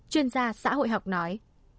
chuyên gia xã hội học nói